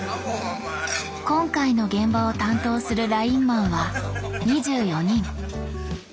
今回の現場を担当するラインマンは２４人。